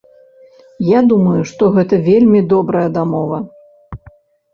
Я думаю, што гэта вельмі добрая дамова.